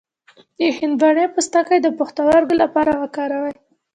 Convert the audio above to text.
د هندواڼې پوستکی د پښتورګو لپاره وکاروئ